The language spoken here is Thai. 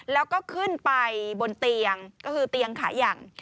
แล้วก็ขึ้นไปบนเตียงก็คือเตียงขายัง